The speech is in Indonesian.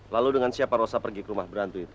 lalu dengan siapa rosa pergi ke rumah berantem itu